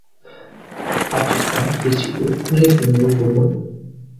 Acesta, desigur, nu este un lucru bun.